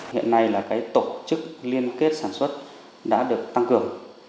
hiện nay là cái tổ chức liên kết sản xuất đã được tăng cường